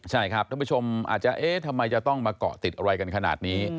ใช่ครับท่านผู้ชมอาจจะเอ๊ะทำไมจะต้องมาเกาะติดอะไรกันขนาดนี้